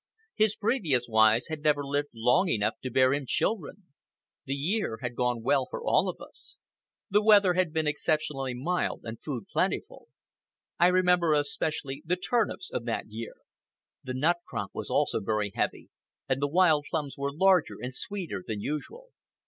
His previous wives had never lived long enough to bear him children. The year had gone well for all of us. The weather had been exceptionally mild and food plentiful. I remember especially the turnips of that year. The nut crop was also very heavy, and the wild plums were larger and sweeter than usual.